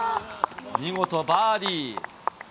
見事、バーディー。